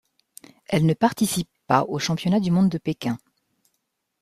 Elle ne participe pas aux Championnats du monde de Pékin.